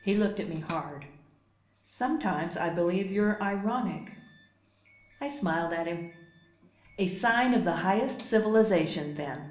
He looked at me hard. "Sometimes I believe you're ironic!" I smiled at him. "A sign of the highest civilization, then.